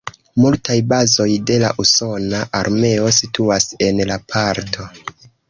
Multaj bazoj de la usona armeo situas en la parto.